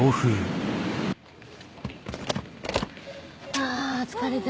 あー疲れた。